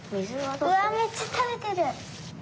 うわめっちゃたべてる！